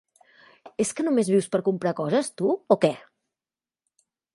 És que només vius per comprar coses, tu, o què?